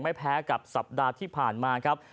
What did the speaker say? ไม่แพ้กับสัปดาห์ที่ผ่านมาครับ